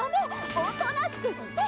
おとなしくしてて！